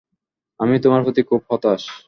আমি তোমার প্রতি খুব হতাশ।